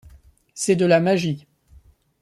C’est de la magie.